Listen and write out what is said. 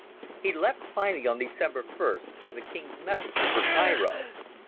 He left finally on December 1st as a King's Messenger for Cairo.